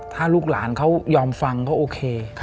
ถ้าลูกหลานเขายอมฟังเขาโอเค